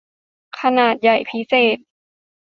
ขนาดใหญ่พิเศษ